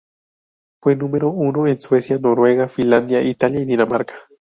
Fue número uno en Suecia, Noruega, Finlandia, Italia y Dinamarca.